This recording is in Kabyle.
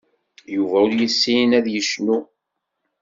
Yuba ur yessin ad yecnu.